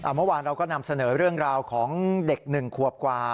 เมื่อวานเราก็นำเสนอเรื่องราวของเด็ก๑ขวบกว่า